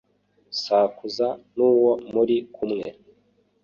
Sakuza n'uwo muri kumwe